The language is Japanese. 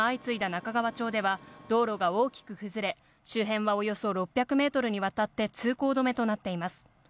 中川町では道路が大きく崩れ、周辺はおよそ６００メートルにわたって通行止めとなっています。